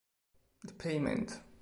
The Payment